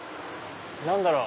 何だろう？